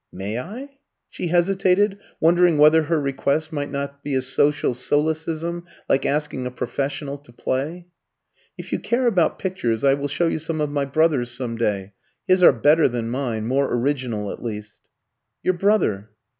"May I ?" she hesitated, wondering whether her request might not be a social solecism, like asking a professional to play. "If you care about pictures, I will show you some of my brother's some day. His are better than mine more original, at least." "Your brother?